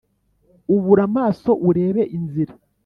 Ubura amaso urebe inzira